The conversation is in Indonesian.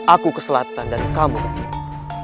aku ke selatan dan kamu ke kiri